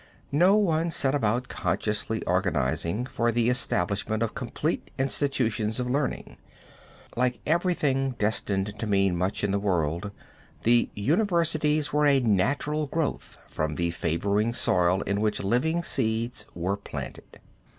No one set about consciously organizing for the establishment of complete institutions of learning. Like everything destined to mean much in the world the universities were a natural growth from the favoring soil in which living seeds were planted.